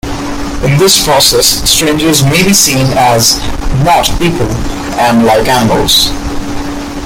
In this process, strangers may be seen as "not people," and like animals.